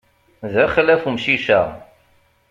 D axlaf umcic-a.